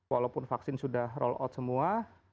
walaupun vaksin sudah roll out semua